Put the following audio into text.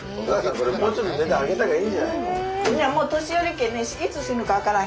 これもうちょっと値段上げたほうがいいんじゃないの？